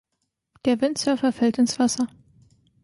Der Windsurfer fällt ins Wasser